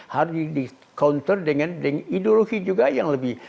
harus di counter dengan ideologi juga yang lebih